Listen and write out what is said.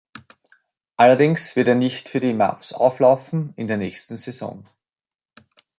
Allerdings wird er nicht für die Mavs auflaufen in der nächsten Saison.